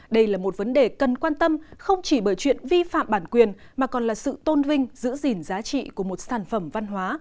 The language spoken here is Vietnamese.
đây là một vấn đề cần quan tâm không chỉ bởi chuyện vi phạm bản quyền mà còn là sự tôn vinh giữ gìn giá trị của một sản phẩm văn hóa